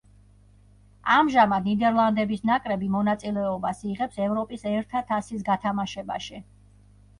ამჟამად ნიდერლანდების ნაკრები მონაწილეობას იღებს ევროპის ერთა თასის გათამაშებაში.